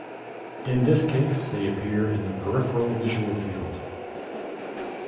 In this case they appear in the peripheral visual field.